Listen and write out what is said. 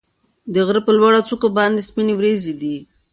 د غره په لوړو څوکو باندې سپینې وريځې دي.